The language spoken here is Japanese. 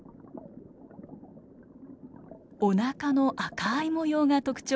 おなかの赤い模様が特徴です。